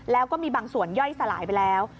แล้วก็มีบางส่วนย่อยสลายไปแล้ว